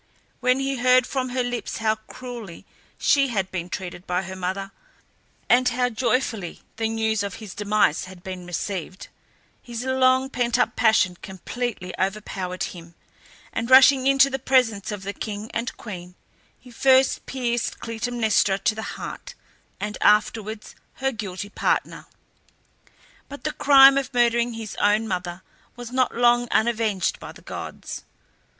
When he heard from her lips how cruelly she had been treated by her mother, and how joyfully the news of his demise had been received, his long pent up passion completely overpowered him, and rushing into the presence of the king and queen, he first pierced Clytemnestra to the heart, and afterwards her guilty partner. But the crime of murdering his own mother was not long unavenged by the gods.